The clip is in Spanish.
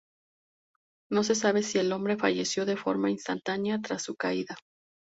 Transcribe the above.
No se sabe si el hombre falleció de forma instantánea tras su caída.